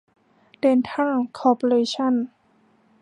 เดนทัล คอร์ปอเรชั่น